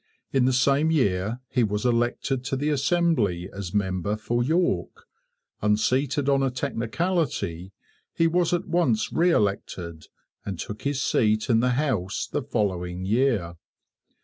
In the same year he was elected to the Assembly as member for York. Unseated on a technicality, he was at once re elected, and took his seat in the House the following year.